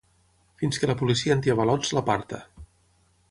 Fins que la policia antiavalots l’aparta.